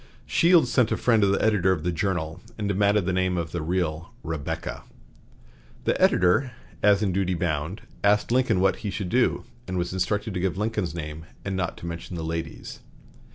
Shields sent a friend to the editor of the "Journal," and demanded the name of the real "Rebecca." The editor, as in duty bound, asked Lincoln what he should do, and was instructed to give Lincoln's name, and not to mention the ladies.